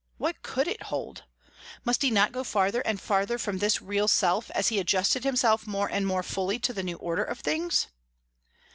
What could it hold? Must he not go farther and farther from this real self as he adjusted himself more and more fully to the new order of things?